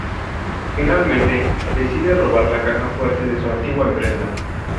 Finalmente decide robar la caja fuerte de su antigua empresa.